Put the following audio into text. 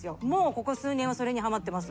ここ数年はそれにはまってます。